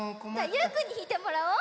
ゆうくんにひいてもらおう。